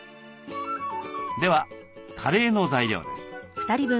ではカレーの材料です。